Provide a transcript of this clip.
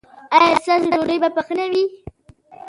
ایا ستاسو ډوډۍ به پخه نه وي؟